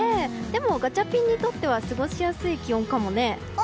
でも、ガチャピンにとっては過ごしやすい気温かもね。